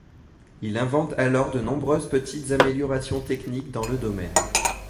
Il invente alors de nombreuses petites améliorations techniques dans le domaine.